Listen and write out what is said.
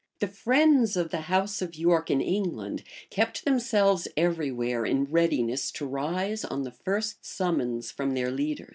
The friends of the house of York in England kept themselves every where in readiness to rise on the first summons from their leaders.